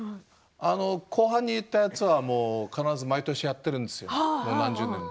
後半に行ったやつは必ず毎年やっているんですもう何十年も。